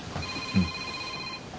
うん。